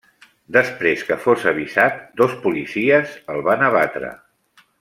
Després que fos avisat, dos policies el van abatre.